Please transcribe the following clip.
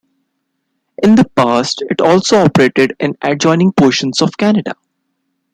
In the past, it also operated in adjoining portions of Canada.